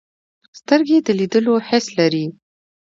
سترګې د لیدلو حس لري